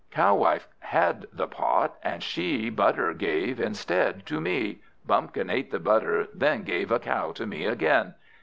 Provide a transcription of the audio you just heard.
Cow wife had the pot, and she Butter gave instead to me. Bumpkin ate the butter, then Gave a cow to me again.